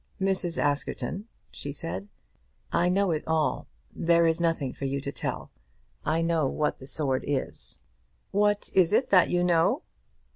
"Mrs. Askerton," she said, "I know it all. There is nothing for you to tell. I know what the sword is." "What is it that you know?"